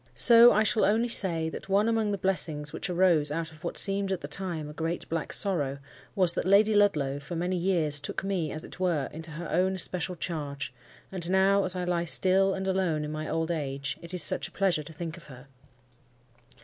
So I shall only say, that one among the blessings which arose out of what seemed at the time a great, black sorrow was, that Lady Ludlow for many years took me, as it were, into her own especial charge; and now, as I lie still and alone in my old age, it is such a pleasure to think of her!